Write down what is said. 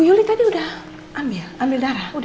ibu yuli tadi udah ambil ambil darah